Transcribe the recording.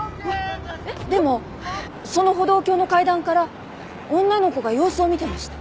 でもその歩道橋の階段から女の子が様子を見てました。